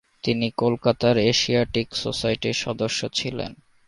তিনি কলকাতার এশিয়াটিক সোসাইটির সদস্য ছিলেন।